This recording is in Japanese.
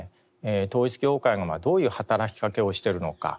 統一教会がどういう働きかけをしているのか。